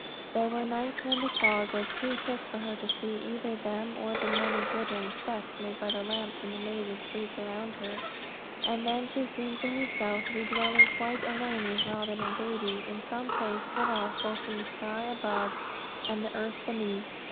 There were nights when the fog was too thick for her to see either them or the many glittering specks made by the lamps in the maze of streets around her; and then she seemed to herself to be dwelling quite alone with Robin and baby, in some place cut off both from the sky above and the earth beneath.